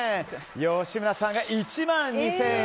吉村さんが１万２０００円。